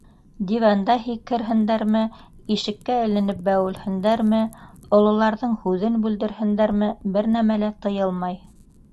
Диванда һикерһендәрме, ишеккә эленеп бәүелһендәрме, ололарҙың һүҙен бүлдерһендәрме - бер нәмә лә тыйылмай.